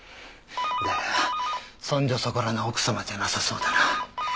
だがそんじょそこらの奥様じゃなさそうだな。